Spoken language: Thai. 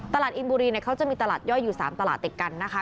อินบุรีเขาจะมีตลาดย่อยอยู่๓ตลาดติดกันนะคะ